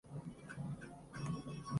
Disney Direct Marketing, Inc.